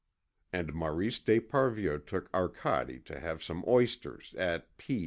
And Maurice d'Esparvieu took Arcade to have some oysters at P 's.